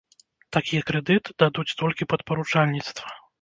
Такі крэдыт дадуць толькі пад паручальніцтва.